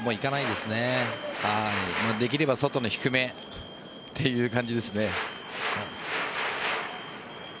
できれば外の低めという感じですね。